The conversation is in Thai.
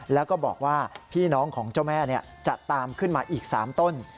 แล้วก็บอกว่าพี่น้องของเจ้าแม่จะตามขึ้นมาอีก๓ต้น